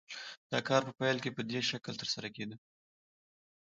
دا کار په پیل کې په دې شکل ترسره کېده